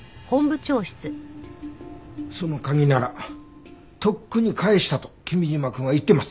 その鍵ならとっくに返したと君嶋くんは言ってます。